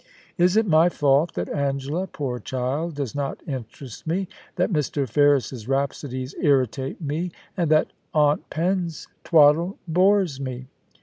Is it my fault that Angela, poor child ! does not interest me, that Mr. Ferris*s rhapsodies irritate me, and that Aunt Pen's twaddle bores me